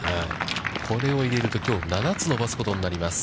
これを入れると、きょう、７つ伸ばすことになります。